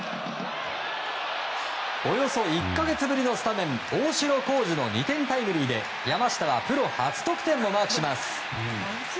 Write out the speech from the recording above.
およそ１か月ぶりのスタメン大城滉二の２点タイムリーで山下はプロ初得点もマークします。